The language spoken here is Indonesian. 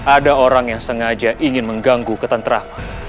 ada orang yang sengaja ingin mengganggu ketentrak